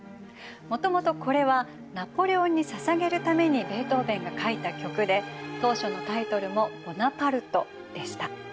もともとこれはナポレオンにささげるためにベートーベンが書いた曲で当初のタイトルも「ボナパルト」でした。